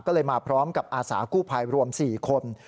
ก็เลยมาพร้อมกับอาสากู้ภัยรวม๔คน